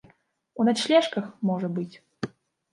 У начлежках, можа быць?